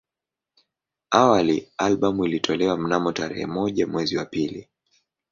Awali albamu ilitolewa mnamo tarehe moja mwezi wa pili